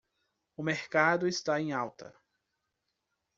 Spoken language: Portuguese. O mercado está em alta.